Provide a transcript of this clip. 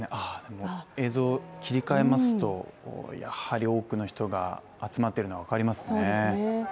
映像を切り替えますと、やはり多くの人が集まっているのが分かりますね。